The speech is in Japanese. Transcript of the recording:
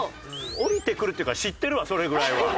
降りてくるっていうか知ってるわそれぐらいは。